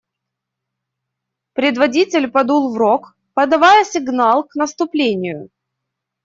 Предводитель подул в рог, подавая сигнал к наступлению.